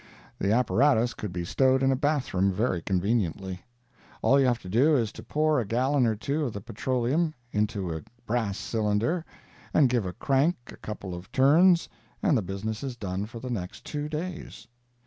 The apparatus could be stowed in a bath room very conveniently. All you have to do is to pour a gallon or two of the petroleum into a brass cylinder and give a crank a couple of turns and the business is done for the next two days.